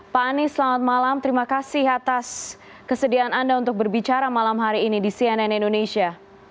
pak anies selamat malam terima kasih atas kesediaan anda untuk berbicara malam hari ini di cnn indonesia